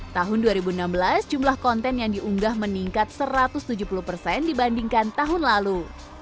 tahun dua ribu enam belas jumlah konten yang diunggah meningkat satu ratus tujuh puluh persen dibandingkan tahun lalu